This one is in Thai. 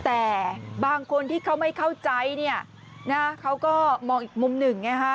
แต่บางคนที่เขาไม่เข้าใจเขาก็มองอีกมุมหนึ่ง